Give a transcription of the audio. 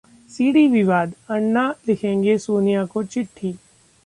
CD विवाद: अन्ना लिखेंगे सोनिया को चिट्ठी